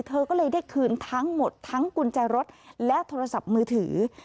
เธอก็เลยได้คืนทั้งหมดทั้งกุญแจรถและโทรศัพท์มือถือ